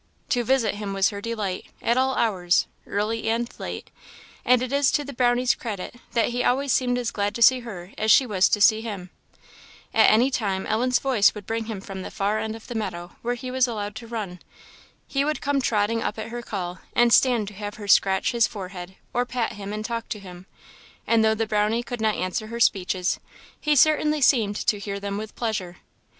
To visit him was her delight, at all hours, early and late; and it is to the Brownie's credit that he always seemed as glad to see her as she was to see him. At any time Ellen's voice would bring him from the far end of the meadow where he was allowed to run. He would come trotting up at her call, and stand to have her scratch his forehead or pat him and talk to him; and though the Brownie could not answer her speeches, he certainly seemed to hear them with pleasure.